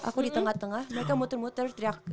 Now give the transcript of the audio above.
aku di tengah tengah mereka muter muter teriak